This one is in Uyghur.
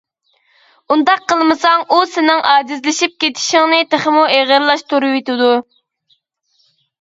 ئۇنداق قىلمىساڭ ئۇ سېنىڭ ئاجىزلىشىپ كېتىشىڭنى تېخىمۇ ئېغىرلاشتۇرۇۋېتىدۇ.